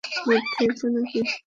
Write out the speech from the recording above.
মদ খেয়েছ নাকি?